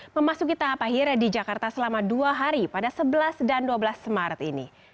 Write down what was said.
memasuki tahap akhir di jakarta selama dua hari pada sebelas dan dua belas maret ini